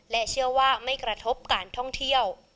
เชื่อว่าไม่กระทบการท่องเที่ยว